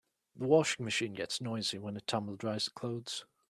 The washing machine gets noisy while it tumble dries the clothes.